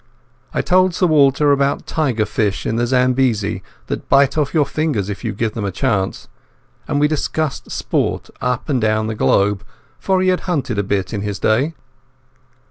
I told Sir Walter about tiger fish in the Zambesi that bite off your fingers if you give them a chance, and we discussed sport up and down the globe, for he had hunted a bit in his day.